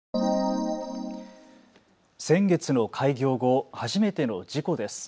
先月の開業後、初めての事故です。